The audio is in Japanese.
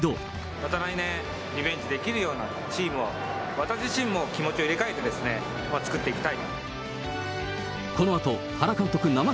また来年、リベンジできるようなチームを、私自身も気持ちを入れ替えてですね、作っていきたい。